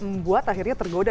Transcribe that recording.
membuat akhirnya tergoda